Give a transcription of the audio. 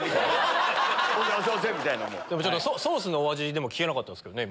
ソースのお味聞けなかったですけどね。